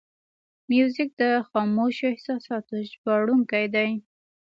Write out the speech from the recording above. موزیک د خاموشو احساساتو ژباړونکی دی.